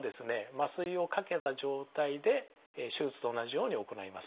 麻酔をかけた状態で手術と同じように行います。